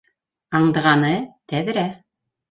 Аңдығаны - тәҙрә.